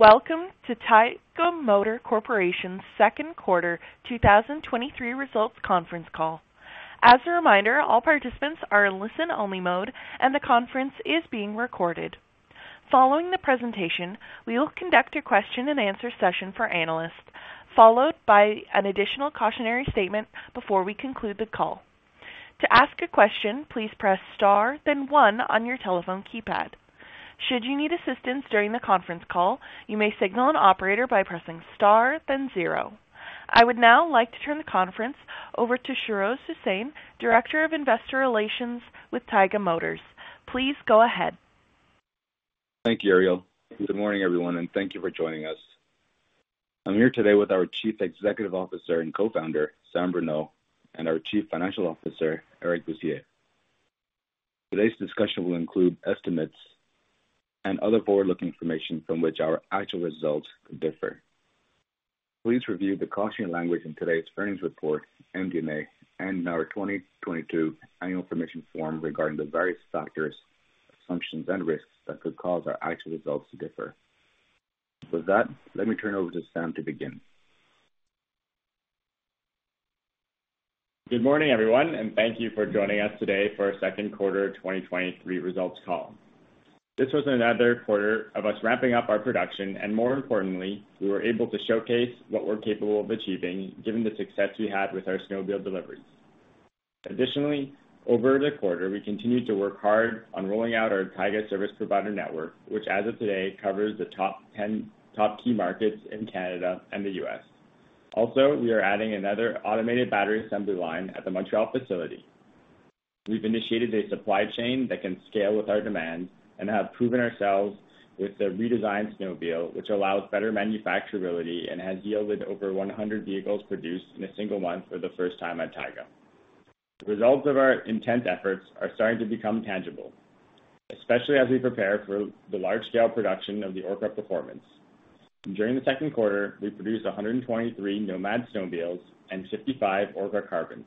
Welcome to Taiga Motors Corporation's second quarter 2023 results conference call. As a reminder, all participants are in listen-only mode, and the conference is being recorded. Following the presentation, we will conduct a question-and-answer session for analysts, followed by an additional cautionary statement before we conclude the call. To ask a question, please press Star, then one on your telephone keypad. Should you need assistance during the conference call, you may signal an operator by pressing Star, then zero. I would now like to turn the conference over to Shahroz Hussain, Director of Investor Relations with Taiga Motors. Please go ahead. Thank you, Ariel. Good morning, everyone, and thank you for joining us. I'm here today with our Chief Executive Officer and Co-founder, Sam Bruneau, and our Chief Financial Officer, Eric Bussières. Today's discussion will include estimates and other forward-looking information from which our actual results could differ. Please review the cautionary language in today's earnings report, MD&A, and our 2022 annual information form regarding the various factors, assumptions, and risks that could cause our actual results to differ. With that, let me turn it over to Sam to begin. Good morning, everyone. Thank you for joining us today for our second quarter 2023 results call. This was another quarter of us ramping up our production, and more importantly, we were able to showcase what we're capable of achieving, given the success we had with our snowmobile deliveries. Additionally, over the quarter, we continued to work hard on rolling out our Taiga Service Provider Network, which as of today, covers the top ten top key markets in Canada and the U.S. We are adding another automated battery assembly line at the Montreal facility. We've initiated a supply chain that can scale with our demand and have proven ourselves with the redesigned snowmobile, which allows better manufacturability and has yielded over 100 vehicles produced in a single month for the first time at Taiga. The results of our intense efforts are starting to become tangible, especially as we prepare for the large-scale production of the Orca Performance. During the second quarter, we produced 123 Nomad Snowmobiles and 55 Orca Carbons.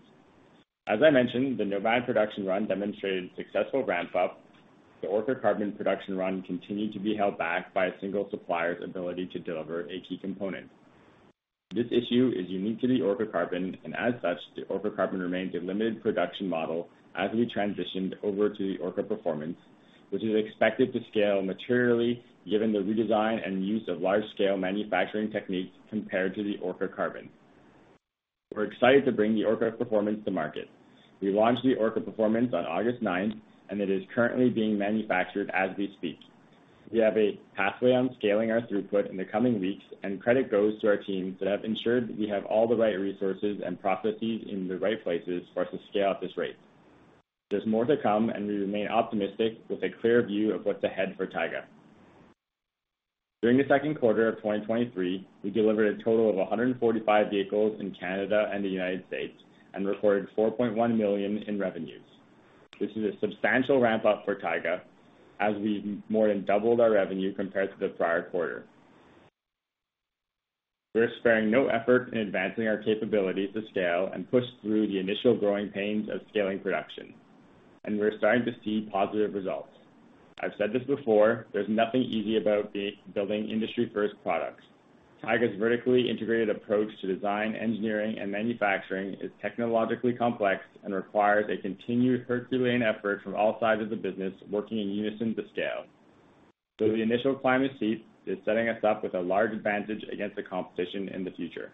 As I mentioned, the Nomad production run demonstrated successful ramp-up. The Orca Carbon production run continued to be held back by a single supplier's ability to deliver a key component. This issue is unique to the Orca Carbon, and as such, the Orca Carbon remains a limited production model as we transitioned over to the Orca Performance, which is expected to scale materially, given the redesign and use of large-scale manufacturing techniques compared to the Orca Carbon. We're excited to bring the Orca Performance to market. We launched the Orca Performance on August 9th, and it is currently being manufactured as we speak. We have a pathway on scaling our throughput in the coming weeks, and credit goes to our teams that have ensured that we have all the right resources and processes in the right places for us to scale at this rate. There's more to come, and we remain optimistic with a clear view of what's ahead for Taiga. During the second quarter of 2023, we delivered a total of 145 vehicles in Canada and the United States and recorded $4.1 million in revenues. This is a substantial ramp-up for Taiga as we more than doubled our revenue compared to the prior quarter. We're sparing no effort in advancing our capability to scale and push through the initial growing pains of scaling production, and we're starting to see positive results. I've said this before, there's nothing easy about building industry-first products. Taiga's vertically integrated approach to design, engineering, and manufacturing is technologically complex and requires a continued herculean effort from all sides of the business working in unison to scale, the initial climb is steep, is setting us up with a large advantage against the competition in the future.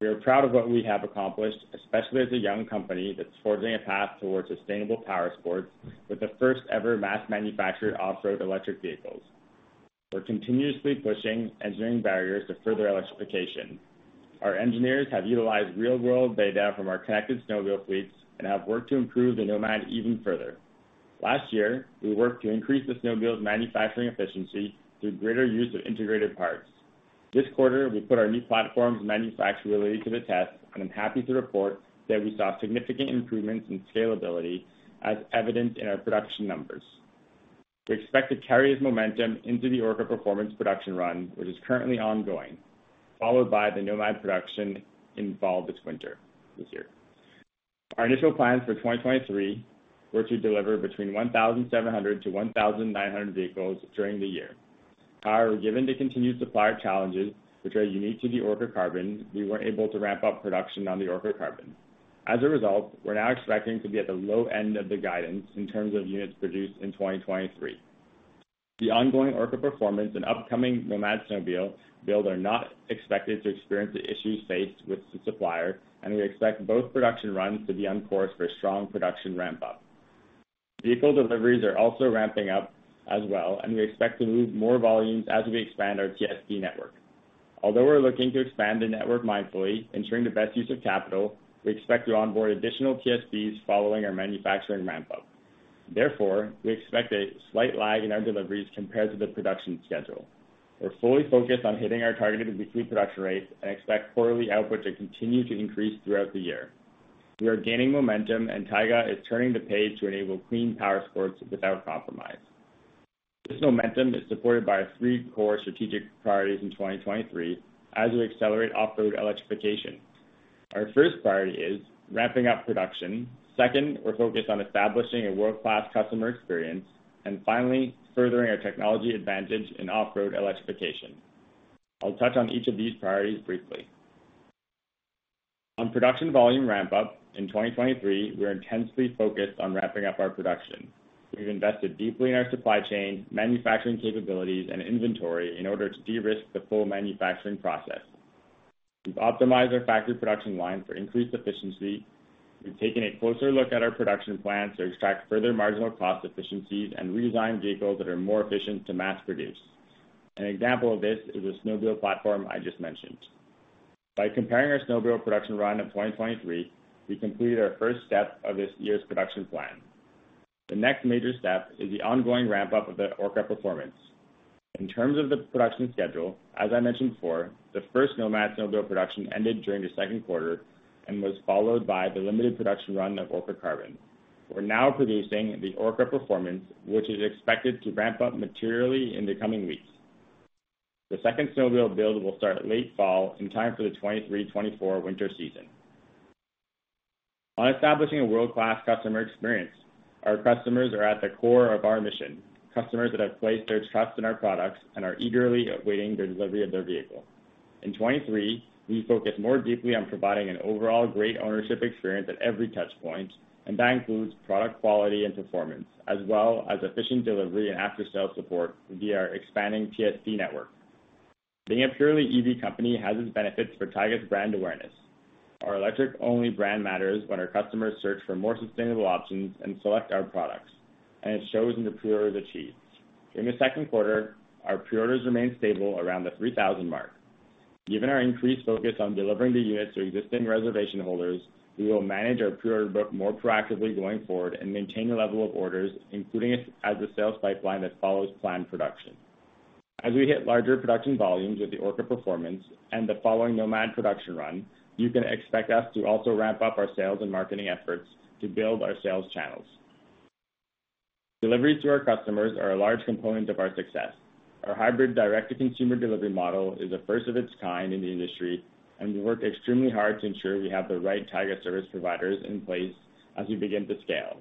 We are proud of what we have accomplished, especially as a young company that's forging a path towards sustainable power sports with the first-ever mass-manufactured off-road electric vehicles. We're continuously pushing engineering barriers to further electrification. Our engineers have utilized real-world data from our connected snowmobile fleets and have worked to improve the Nomad even further. Last year, we worked to increase the snowmobile's manufacturing efficiency through greater use of integrated parts. This quarter, we put our new platform's manufacturability to the test, I'm happy to report that we saw significant improvements in scalability as evidenced in our production numbers. We expect to carry this momentum into the Orca Performance production run, which is currently ongoing, followed by the Nomad production involved this winter, this year. Our initial plans for 2023 were to deliver between 1,700-1,900 vehicles during the year. However, given the continued supplier challenges, which are unique to the Orca Carbon, we weren't able to ramp up production on the Orca Carbon. As a result, we're now expecting to be at the low end of the guidance in terms of units produced in 2023. The ongoing Orca Performance and upcoming Nomad Snowmobile build are not expected to experience the issues faced with the supplier, and we expect both production runs to be on course for a strong production ramp-up. Vehicle deliveries are also ramping up as well, and we expect to move more volumes as we expand our TSP network. Although we're looking to expand the network mindfully, ensuring the best use of capital, we expect to onboard additional TSPs following our manufacturing ramp-up. Therefore, we expect a slight lag in our deliveries compared to the production schedule. We're fully focused on hitting our targeted weekly production rates and expect quarterly output to continue to increase throughout the year. We are gaining momentum, and Taiga is turning the page to enable clean power sports without compromise. This momentum is supported by our three core strategic priorities in 2023 as we accelerate off-road electrification. Our first priority is ramping up production. Second, we're focused on establishing a world-class customer experience, and finally, furthering our technology advantage in off-road electrification. I'll touch on each of these priorities briefly. On production volume ramp-up, in 2023, we're intensely focused on ramping up our production. We've invested deeply in our supply chain, manufacturing capabilities, and inventory in order to de-risk the full manufacturing process. We've optimized our factory production line for increased efficiency. We've taken a closer look at our production plans to extract further marginal cost efficiencies and redesign vehicles that are more efficient to mass produce. An example of this is the Snowmobile platform I just mentioned. By comparing our Snowmobile production run of 2023, we completed our first step of this year's production plan. The next major step is the ongoing ramp-up of the Orca Performance. In terms of the production schedule, as I mentioned before, the first Nomad Snowmobile production ended during the second quarter and was followed by the limited production run of Orca Carbon. We're now producing the Orca Performance, which is expected to ramp up materially in the coming weeks. The second Snowmobile build will start late fall in time for the 2023, 2024 winter season. On establishing a world-class customer experience, our customers are at the core of our mission, customers that have placed their trust in our products and are eagerly awaiting the delivery of their vehicle. In 2023, we focused more deeply on providing an overall great ownership experience at every touch point. That includes product quality and performance, as well as efficient delivery and after-sale support via our expanding TSP network. Being a purely EV company has its benefits for Taiga's brand awareness. Our electric-only brand matters when our customers search for more sustainable options and select our products. It shows in the pre-orders achieved. In the second quarter, our pre-orders remained stable around the 3,000 mark. Given our increased focus on delivering the units to existing reservation holders, we will manage our pre-order book more proactively going forward and maintain a level of orders, including as a sales pipeline that follows planned production. As we hit larger production volumes with the Orca Performance and the following Nomad production run, you can expect us to also ramp up our sales and marketing efforts to build our sales channels. Deliveries to our customers are a large component of our success. Our hybrid direct-to-consumer delivery model is the first of its kind in the industry, and we work extremely hard to ensure we have the right Taiga Service Providers in place as we begin to scale.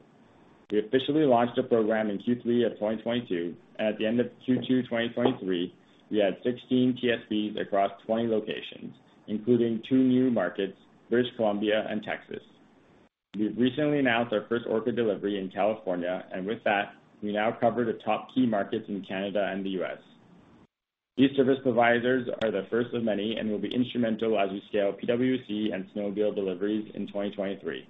We officially launched the program in Q3 of 2022, and at the end of Q2 2023, we had 16 TSPs across 20 locations, including two new markets, British Columbia and Texas. We've recently announced our first Orca delivery in California, and with that, we now cover the top key markets in Canada and the U.S. These service providers are the first of many and will be instrumental as we scale PWC and Snowmobile deliveries in 2023.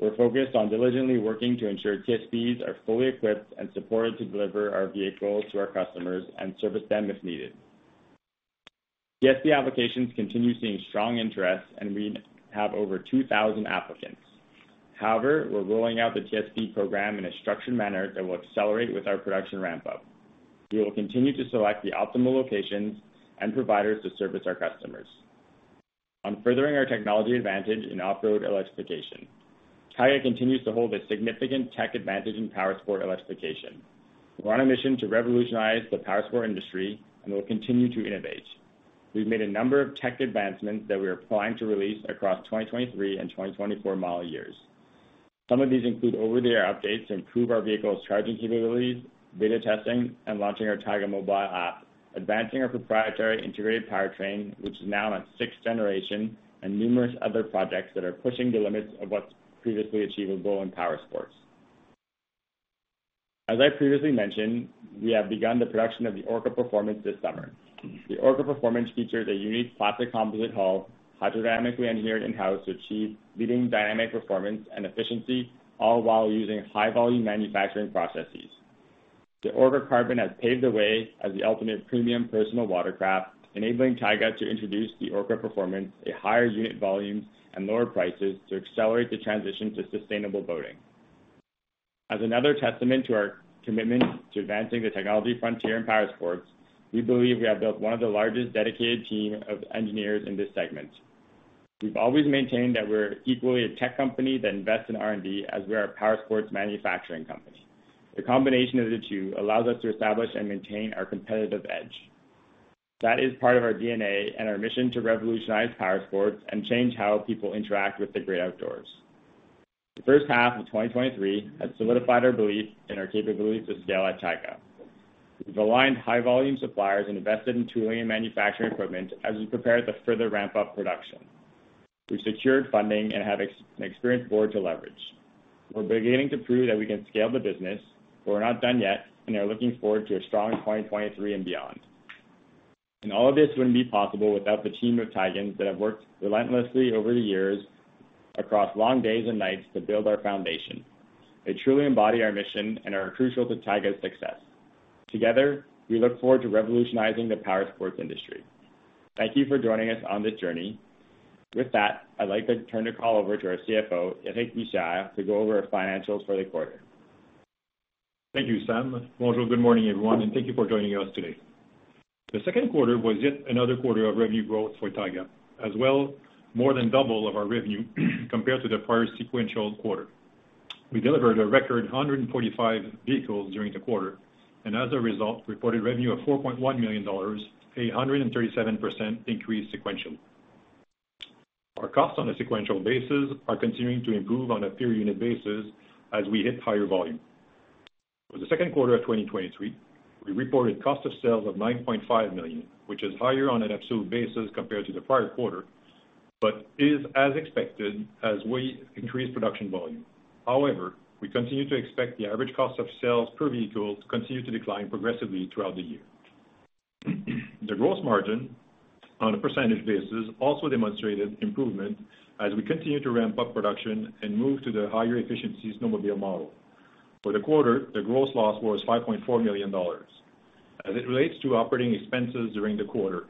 We're focused on diligently working to ensure TSPs are fully equipped and supported to deliver our vehicles to our customers and service them if needed. TSP applications continue seeing strong interest, and we have over 2,000 applicants. However, we're rolling out the TSP program in a structured manner that will accelerate with our production ramp-up. We will continue to select the optimal locations and providers to service our customers. On furthering our technology advantage in off-road electrification, Taiga continues to hold a significant tech advantage in powersport electrification. We're on a mission to revolutionize the powersport industry, and we'll continue to innovate. We've made a number of tech advancements that we are planning to release across 2023 and 2024 model years. Some of these include over-the-air updates to improve our vehicle's charging capabilities, beta testing, and launching our Taiga mobile app, advancing our proprietary integrated powertrain, which is now on 6th generation, and numerous other projects that are pushing the limits of what's previously achievable in powersports. As I previously mentioned, we have begun the production of the Orca Performance this summer. The Orca Performance features a unique plastic composite hull, hydrodynamically engineered in-house to achieve leading dynamic performance and efficiency, all while using high-volume manufacturing processes. The Orca Carbon has paved the way as the ultimate premium personal watercraft, enabling Taiga to introduce the Orca Performance, a higher unit volumes, and lower prices to accelerate the transition to sustainable boating. As another testament to our commitment to advancing the technology frontier in powersports, we believe we have built one of the largest dedicated team of engineers in this segment. We've always maintained that we're equally a tech company that invests in R&D as we are a powersports manufacturing company. The combination of the two allows us to establish and maintain our competitive edge. That is part of our DNA and our mission to revolutionize powersports and change how people interact with the great outdoors. The first half of 2023 has solidified our belief in our capability to scale at Taiga. We've aligned high volume suppliers and invested in tooling and manufacturing equipment as we prepare to further ramp up production. We've secured funding and have an experienced board to leverage. We're beginning to prove that we can scale the business, but we're not done yet, and are looking forward to a strong 2023 and beyond. All of this wouldn't be possible without the team of Taigans that have worked relentlessly over the years across long days and nights to build our foundation. They truly embody our mission and are crucial to Taiga's success. Together, we look forward to revolutionizing the powersports industry. Thank you for joining us on this journey. With that, I'd like to turn the call over to our CFO, Eric Bussières, to go over our financials for the quarter. Thank you, Sam. Bonjour. Good morning, everyone, and thank you for joining us today. The second quarter was yet another quarter of revenue growth for Taiga, as well, more than double of our revenue compared to the prior sequential quarter. We delivered a record 145 vehicles during the quarter. As a result, reported revenue of 4.1 million dollars, a 137% increase sequentially. Our costs on a sequential basis are continuing to improve on a per unit basis as we hit higher volume. For the second quarter of 2023, we reported cost of sales of 9.5 million, which is higher on an absolute basis compared to the prior quarter, but is as expected as we increase production volume. However, we continue to expect the average cost of sales per vehicle to continue to decline progressively throughout the year. The gross margin on a percentage basis also demonstrated improvement as we continue to ramp up production and move to the higher efficiency snowmobile model. For the quarter, the gross loss was $5.4 million. As it relates to operating expenses during the quarter,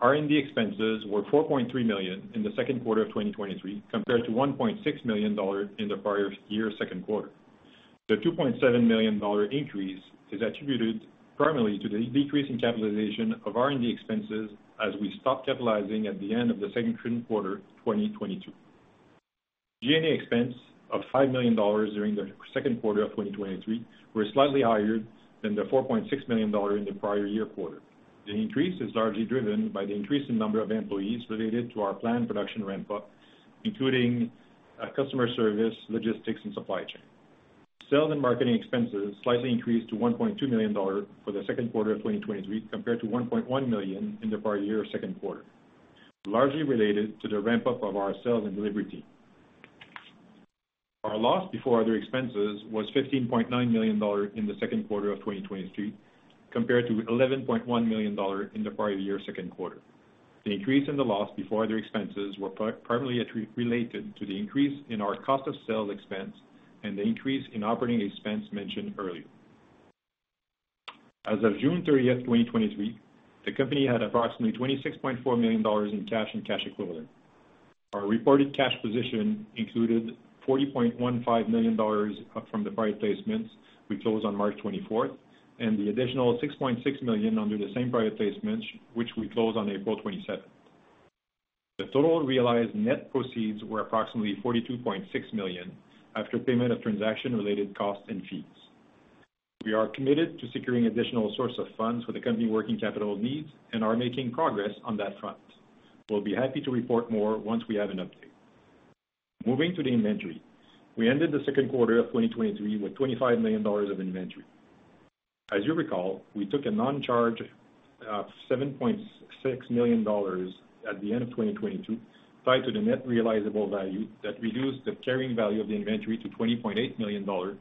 R&D expenses were $4.3 million in the second quarter of 2023, compared to $1.6 million in the prior year's second quarter. The $2.7 million increase is attributed primarily to the decrease in capitalization of R&D expenses, as we stopped capitalizing at the end of the second quarter 2022. G&A expense of $5 million during the second quarter of 2023 were slightly higher than the $4.6 million in the prior year quarter. The increase is largely driven by the increase in number of employees related to our planned production ramp-up, including, customer service, logistics, and supply chain. Sales and marketing expenses slightly increased to 1.2 million dollars for the second quarter of 2023, compared to 1.1 million in the prior year's second quarter, largely related to the ramp-up of our sales and delivery team. Our loss before other expenses was 15.9 million dollars in the second quarter of 2023, compared to 11.1 million dollars in the prior year's second quarter. The increase in the loss before other expenses were primarily related to the increase in our cost of sales expense and the increase in operating expense mentioned earlier. As of June 30th, 2023, the company had approximately 26.4 million dollars in cash and cash equivalent. Our reported cash position included $40.15 million from the private placements we closed on March 24th, and the additional $6.6 million under the same private placements, which we closed on April 22nd. The total realized net proceeds were approximately $42.6 million, after payment of transaction-related costs and fees. We are committed to securing additional source of funds for the company working capital needs and are making progress on that front. We'll be happy to report more once we have an update. Moving to the inventory. We ended the second quarter of 2023 with $25 million of inventory. As you recall, we took a non-charge of 7.6 million dollars at the end of 2022, tied to the net realizable value that reduced the carrying value of the inventory to 20.8 million dollars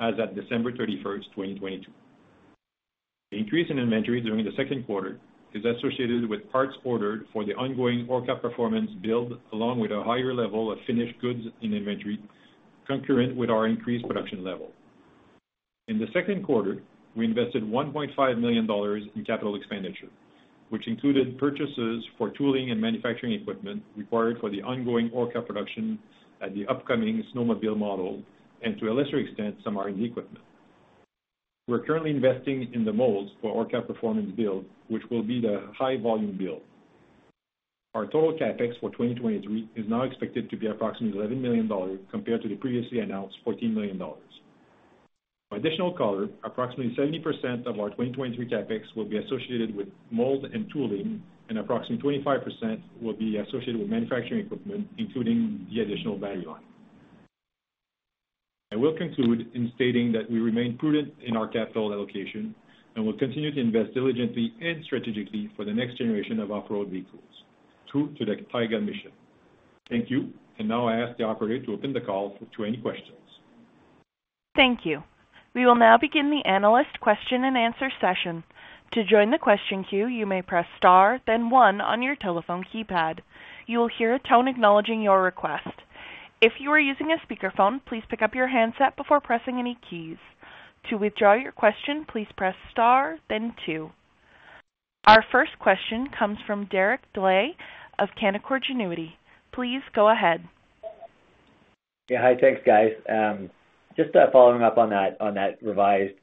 as at December 31st, 2022. The increase in inventory during the second quarter is associated with parts ordered for the ongoing Orca Performance build, along with a higher level of finished goods in inventory, concurrent with our increased production level. In the second quarter, we invested 1.5 million dollars in CapEx, which included purchases for tooling and manufacturing equipment required for the ongoing Orca production and the upcoming Snowmobile model, and to a lesser extent, some R&D equipment. We're currently investing in the molds for Orca Performance build, which will be the high-volume build. Our total CapEx for 2023 is now expected to be approximately $11 million, compared to the previously announced $14 million. For additional color, approximately 70% of our 2023 CapEx will be associated with mold and tooling, and approximately 25% will be associated with manufacturing equipment, including the additional value line. I will conclude in stating that we remain prudent in our capital allocation and will continue to invest diligently and strategically for the next generation of off-road vehicles. True to the Taiga mission. Thank you. Now I ask the operator to open the call to any questions. Thank you. We will now begin the analyst question and answer session. To join the question queue, you may press star, then one on your telephone keypad. You will hear a tone acknowledging your request. If you are using a speakerphone, please pick up your handset before pressing any keys. To withdraw your question, please press star then two. Our first question comes from Derek Dley of Canaccord Genuity. Please go ahead. Yeah. Hi, thanks, guys. Just following up on that, on that revised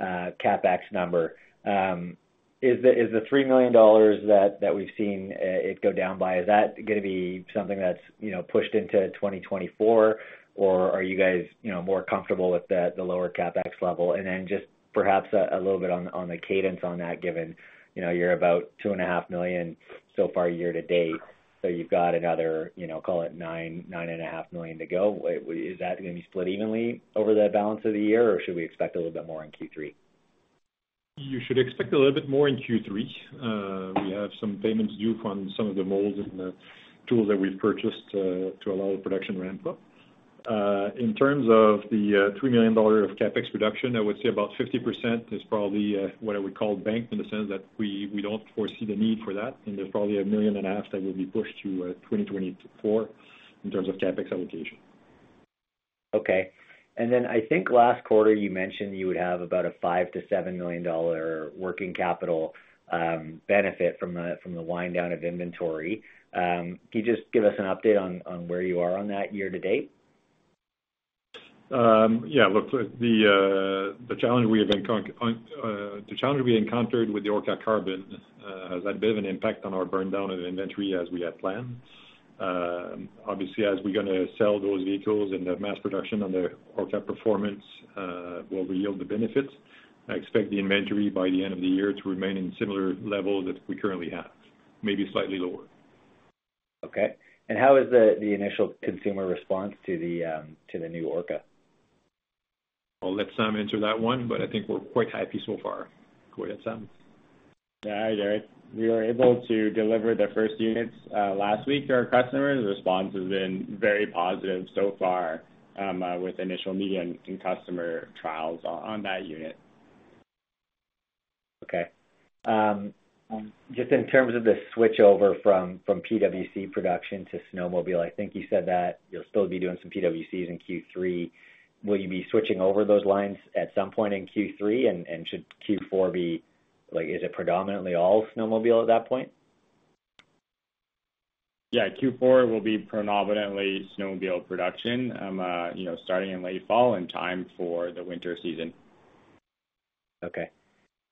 CapEx number. Is the $3 million that we've seen it go down by, is that gonna be something that's, you know, pushed into 2024? Are you guys, you know, more comfortable with the lower CapEx level? Just perhaps a little bit on the cadence on that, given, you know, you're about $2.5 million so far year to date, so you've got another, you know, call it $9 million-$9.5 million to go. Is that gonna be split evenly over the balance of the year, or should we expect a little bit more in Q3? You should expect a little bit more in Q3. We have some payments due from some of the molds and the tools that we've purchased to allow the production ramp-up. In terms of the $3 million of CapEx reduction, I would say about 50% is probably what I would call banked, in the sense that we, we don't foresee the need for that, and there's probably $1.5 million that will be pushed to 2024 in terms of CapEx allocation. Okay. Then I think last quarter you mentioned you would have about a five million-7 million dollar working capital benefit from the, from the wind down of inventory. Can you just give us an update on, on where you are on that year to date? Yeah, look, the challenge we encountered with the Orca Carbon has that been an impact on our burn down of inventory as we had planned? Obviously, as we're gonna sell those vehicles and the mass production on the Orca Performance will yield the benefits. I expect the inventory by the end of the year to remain in similar levels that we currently have, maybe slightly lower. Okay. how is the, the initial consumer response to the new Orca? I'll let Sam answer that one, but I think we're quite happy so far. Go ahead, Sam. Yeah, hi, Derek. We were able to deliver the first units last week to our customers. The response has been very positive so far, with initial media and customer trials on that unit. Okay. Just in terms of the switchover from PWC production to Snowmobile, I think you said that you'll still be doing some PWCs in Q3. Will you be switching over those lines at some point in Q3, and should Q4 be... Like, is it predominantly all Snowmobile at that point? Yeah, Q4 will be predominantly snowmobile production, you know, starting in late fall, in time for the winter season. Okay.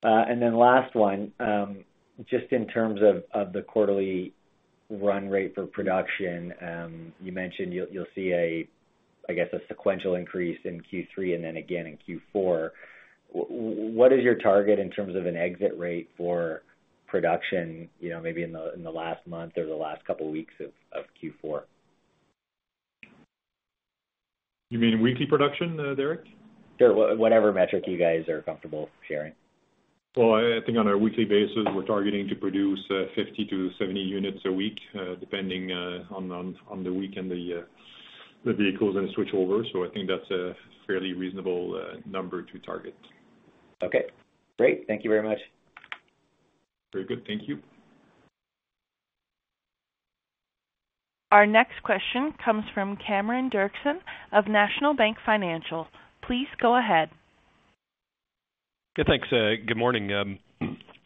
Last one, just in terms of, of the quarterly run rate for production, you mentioned you'll, you'll see a, I guess, a sequential increase in Q3 and then again in Q4. What is your target in terms of an exit rate for production, you know, maybe in the, in the last month or the last couple of weeks of, of Q4? You mean weekly production, Derek? Sure. Whatever metric you guys are comfortable sharing. Well, I think on a weekly basis, we're targeting to produce 50 to 70 units a week, depending on the week and the vehicles and the switchover. I think that's a fairly reasonable number to target. Okay, great. Thank you very much. Very good. Thank you. Our next question comes from Cameron Doerksen of National Bank Financial. Please go ahead. Good, thanks. Good morning. I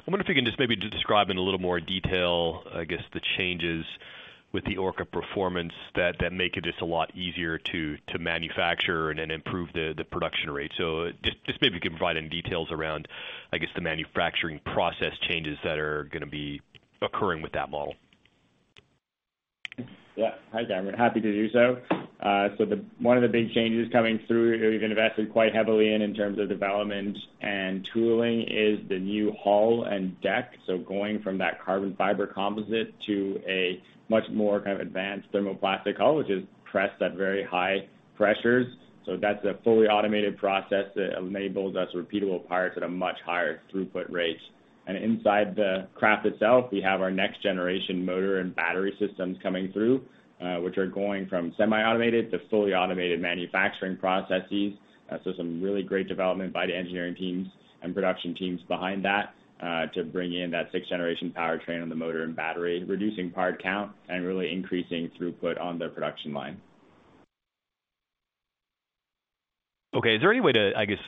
wonder if you can just maybe describe in a little more detail, I guess, the changes with the Orca Performance that, that make it just a lot easier to, to manufacture and then improve the, the production rate? Just, just maybe you can provide any details around, I guess, the manufacturing process changes that are gonna be occurring with that model? Yeah. Hi, Cameron. Happy to do so. One of the big changes coming through, we've invested quite heavily in, in terms of development and tooling, is the new hull and deck. Going from that carbon fiber composite to a much more kind of advanced thermoplastic hull, which is pressed at very high pressures. That's a fully automated process that enables us repeatable parts at a much higher throughput rates. Inside the craft itself, we have our next generation motor and battery systems coming through, which are going from semi-automated to fully automated manufacturing processes. Some really great development by the engineering teams and production teams behind that, to bring in that sixth-generation powertrain on the motor and battery, reducing part count and really increasing throughput on the production line. Okay. Is there any way to, I guess,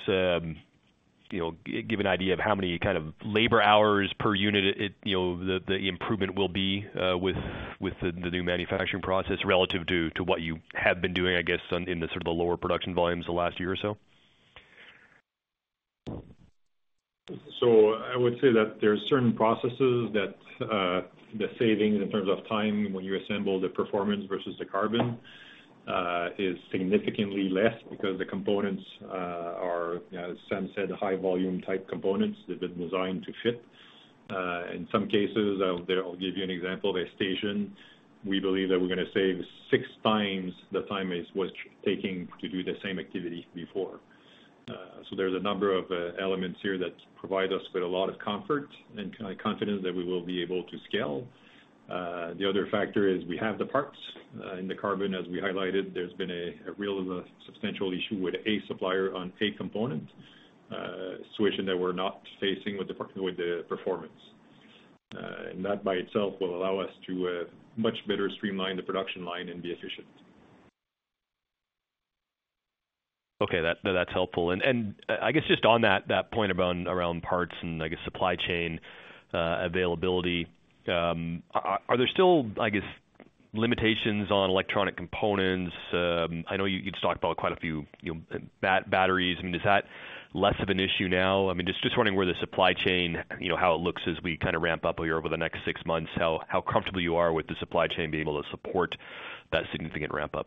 you know, give an idea of how many kind of labor hours per unit it, it, you know, the, the improvement will be, with, with the, the new manufacturing process relative to, to what you have been doing, I guess, on, in the sort of the lower production volumes the last year or so? I would say that there are certain processes that the savings in terms of time when you assemble the performance versus the carbon is significantly less because the components are, as Sam said, high volume type components. They've been designed to fit. In some cases, I'll, there, I'll give you an example, the station, we believe that we're gonna save 6 times the time it was taking to do the same activity before. There's a number of elements here that provide us with a lot of comfort and confidence that we will be able to scale. The other factor is we have the parts. In the carbon, as we highlighted, there's been a, a real and a substantial issue with a supplier on a component situation that we're not facing with the performance. That by itself will allow us to much better streamline the production line and be efficient. Okay, that, that's helpful. I guess just on that, that point around, around parts and, I guess, supply chain, availability, are, are there still, I guess, limitations on electronic components? I know you, you just talked about quite a few, you know, batteries. I mean, is that less of an issue now? I mean, just, just wondering where the supply chain, you know, how it looks as we kind of ramp up here over the next six months, how, how comfortable you are with the supply chain being able to support that significant ramp-up?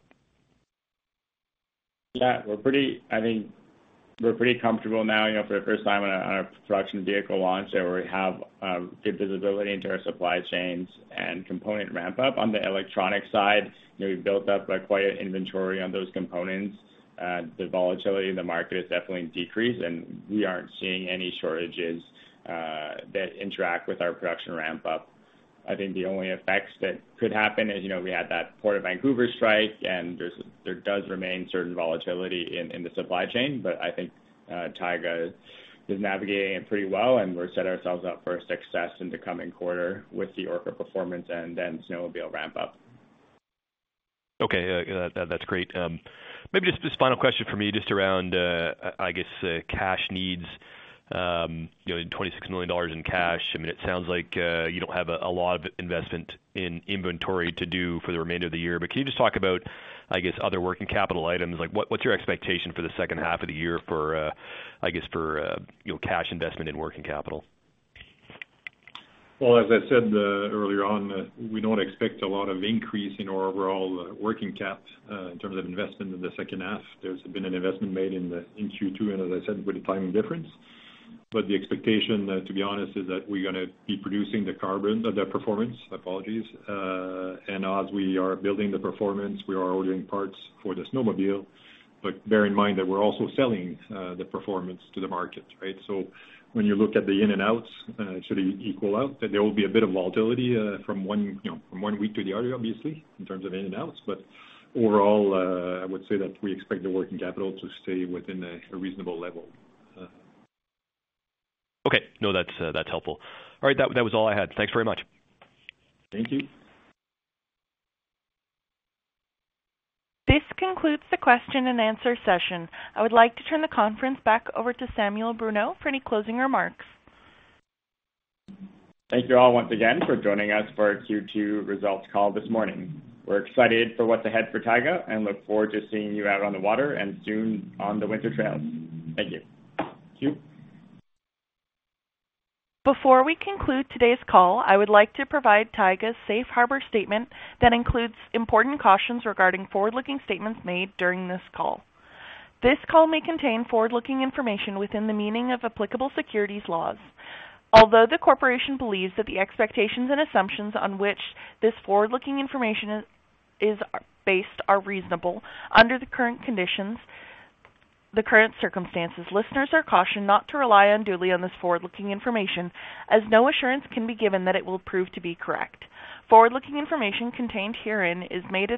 Yeah, we're pretty... I think we're pretty comfortable now, you know, for the first time on a, on a production vehicle launch. We have good visibility into our supply chains and component ramp-up. On the electronic side, you know, we've built up quite an inventory on those components. The volatility in the market has definitely decreased, and we aren't seeing any shortages that interact with our production ramp-up. I think the only effects that could happen is, you know, we had that Port of Vancouver strike, and there does remain certain volatility in the supply chain, but I think Taiga is navigating it pretty well, and we've set ourselves up for success in the coming quarter with the Orca Performance and Snowmobile ramp-up. Okay, that, that's great. Maybe just this final question for me, just around, I, I guess, cash needs. You know, $26 million in cash. I mean, it sounds like, you don't have a, a lot of investment in inventory to do for the remainder of the year, but can you just talk about, I guess, other working capital items? Like, what, what's your expectation for the second half of the year for, I guess for, you know, cash investment and working capital? Well, as I said, earlier on, we don't expect a lot of increase in our overall working cap in terms of investment in the second half. There's been an investment made in Q2, and as I said, with the timing difference. The expectation, to be honest, is that we're gonna be producing the Carbon, the Performance, apologies. As we are building the Performance, we are ordering parts for the Snowmobile. Bear in mind that we're also selling the Performance to the market, right? When you look at the in and outs, should equal out, that there will be a bit of volatility from one, you know, from one week to the other, obviously, in terms of in and outs. Overall, I would say that we expect the working capital to stay within a, a reasonable level. Okay. No, that's, that's helpful. All right, that, that was all I had. Thanks very much. Thank you. This concludes the question and answer session. I would like to turn the conference back over to Sam Bruneau for any closing remarks. Thank you all once again for joining us for our Q2 results call this morning. We're excited for what's ahead for Taiga and look forward to seeing you out on the water and soon on the winter trails. Thank you. Thank you. Before we conclude today's call, I would like to provide Taiga's Safe Harbor statement that includes important cautions regarding Forward-Looking Statements made during this call. This call may contain forward-looking information within the meaning of applicable securities laws. Although the Corporation believes that the expectations and assumptions on which this forward-looking information is based are reasonable under the current conditions, the current circumstances, listeners are cautioned not to rely unduly on this forward-looking information, as no assurance can be given that it will prove to be correct. Forward-looking information contained herein is made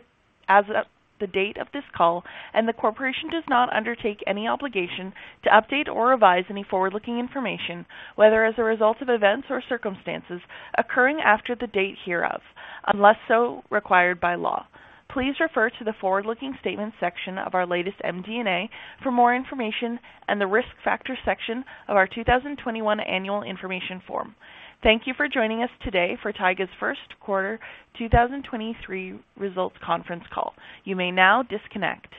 as of the date of this call, and the Corporation does not undertake any obligation to update or revise any forward-looking information, whether as a result of events or circumstances occurring after the date hereof, unless so required by law. Please refer to the Forward-Looking Statements section of our latest MD&A for more information and the Risk Factors section of our 2022 Annual Information Form. Thank you for joining us today for Taiga's second quarter 2023 results conference call. You may now disconnect.